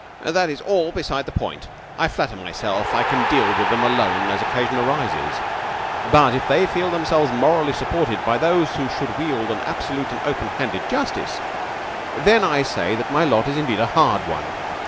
"That is all beside the point. I flatter myself I can deal with them alone as occasion arises. But if they feel themselves morally supported by those who should wield an absolute and open handed justice, then I say that my lot is indeed a hard one.